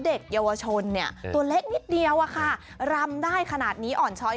เด็กเยาวชนเนี่ยตัวเล็กนิดเดียวอะค่ะรำได้ขนาดนี้อ่อนช้อย